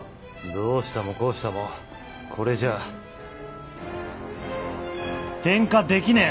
どうしたもこうしたもこれじゃあ転科できねえ！